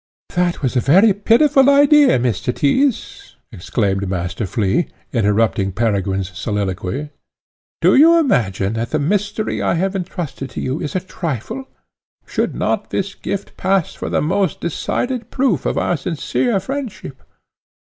"That was a very pitiful idea, Mr. Tyss!" exclaimed Master Flea, interrupting Peregrine's soliloquy. "Do you imagine that the mystery I have entrusted to you is a trifle? Should not this gift pass for the most decided proof of my sincere friendship?